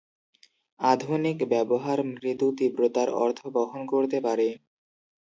আধুনিক ব্যবহার মৃদু তীব্রতার অর্থ বহন করতে পারে।